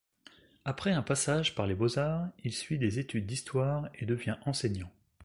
Après un passage par les Beaux-Arts, il suit des études d'histoire et devient enseignant.